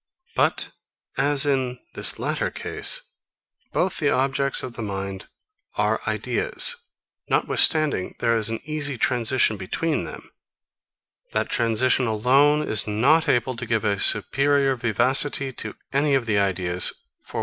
But as in this latter case, both the objects of the mind are ideas; notwithstanding there is an easy transition between them; that transition alone is not able to give a superior vivacity to any of the ideas, for want of some immediate impression.